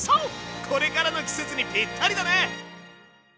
これからの季節にぴったりだね！